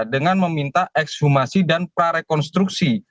dengan meminta ekshumasi dan prarekonstruksi